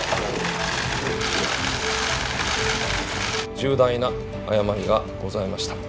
重大な誤りがございました。